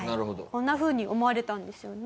こんなふうに思われたんですよね。